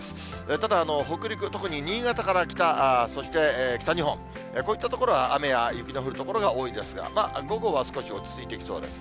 ただ北陸、特に新潟から北、そして北日本、こういった所は雨や雪の降る所が多いですが、午後は少し落ち着いてきそうです。